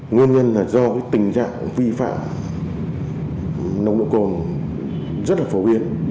nguyên nhân là do tình trạng vi phạm nông độ cồn rất phổ biến